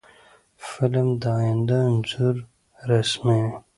فلم د آینده انځور رسموي